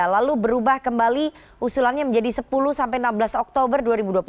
lalu berubah kembali usulannya menjadi sepuluh sampai enam belas oktober dua ribu dua puluh